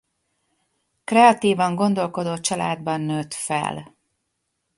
Kreatívan gondolkodó családban nőtt fel.